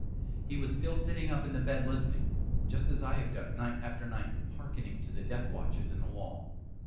He was still sitting up in the bed listening; just as I have done, night after night, hearkening to the death watches in the wall.